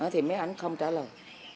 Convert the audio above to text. thì mấy anh không trả lời